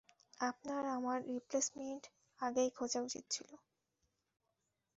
আপনার আমার রিপ্লেইসমেন্ট আগেই খোঁজা উচিত ছিল!